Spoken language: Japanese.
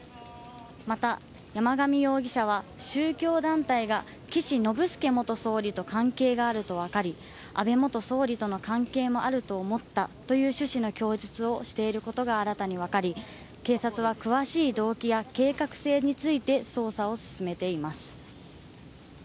また、山上容疑者は宗教団体が岸信介元総理と関係があると分かり、安倍元総理との関係もあると思ったという趣旨の供述をしていることが新たに分かり、警察は詳しい動機や計画性について捜査を進めています。